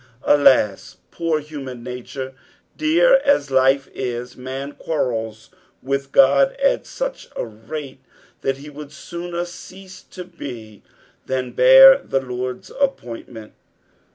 Alas I poor human nature, dear as life is, man quarrels with God at such a rate that he would sooner cease to be than bear the Lord's appointment.